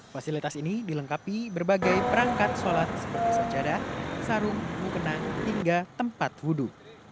fasilitas ini dilengkapi berbagai perangkat sholat seperti sajadah sarung mukena hingga tempat wudhu